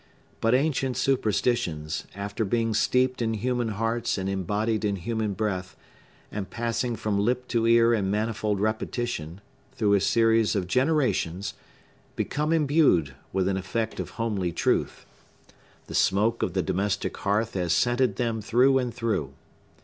But ancient superstitions, after being steeped in human hearts and embodied in human breath, and passing from lip to ear in manifold repetition, through a series of generations, become imbued with an effect of homely truth. The smoke of the domestic hearth has scented them through and through.